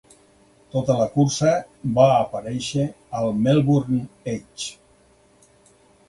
Tota la cursa va aparèixer al "Melbourne Age".